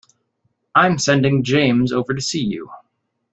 I'm sending James over to see you.